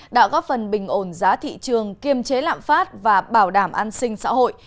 đã góp phần bình ổn giá thị trường kiềm chế lạm phát và bảo đảm an sinh xã hội